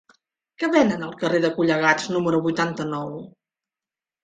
Què venen al carrer de Collegats número vuitanta-nou?